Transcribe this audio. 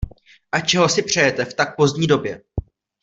A čeho si přejete v tak pozdní době?